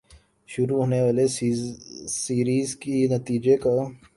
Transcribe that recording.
شروع ہونے والی سیریز کے نتیجے کا